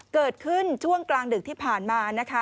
เกิดขึ้นช่วงกลางดึกที่ผ่านมานะคะ